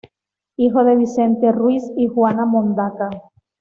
Hijo de Vicente Ruiz y Juana Mondaca.